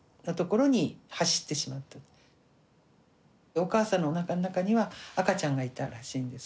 お母さんのおなかの中には赤ちゃんがいたらしいんですけれどもね。